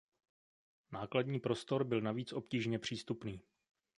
Nákladní prostor byl navíc obtížně přístupný.